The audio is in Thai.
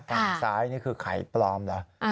ฝั่งซ้ายนี่คือไข่ปลอมเหรอ